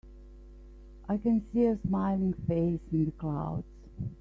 I can see a smiling face in the clouds.